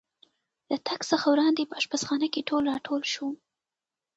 له تګ څخه وړاندې په اشپزخانه کې ټول را ټول شو.